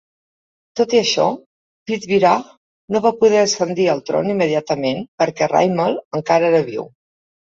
Tot i això, Prithviraj no va poder ascendir al tron immediatament perquè Raimal encara era viu.